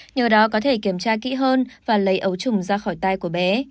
nhờ đó có thể kiểm tra kỹ hơn và lấy ấu trùng ra khỏi tay của bé